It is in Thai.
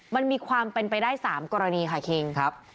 มันมีความเป็นไปได้๓กรณีค่ะคิงครับ